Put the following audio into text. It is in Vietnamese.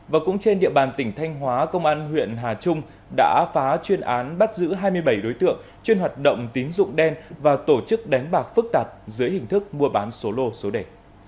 và cũng trên địa bàn tỉnh thanh hóa công an huyện hà trung đã phá chuyên án bắt giữ hai mươi bảy đối tượng chuyên hoạt động tín dụng đen và tổ chức đánh bạc phức tạp dưới hình thức mua bán số lô số đề